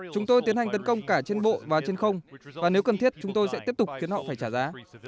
chúng tôi tiến hành tấn công cả trên bộ và trên không và nếu cần thiết chúng tôi sẽ tiếp tục khiến họ phải trả giá